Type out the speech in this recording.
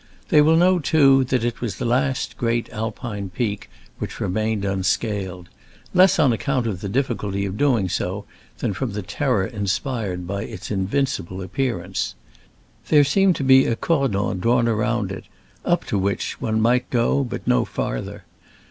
They will know, too, that it was the last great Alpine peak which remained unsealed — less on account of the difficulty of doing so than from the terror inspired by its invincible appear ance. There seemed to be a cordon drawn around it, up to which one might go, but no farther.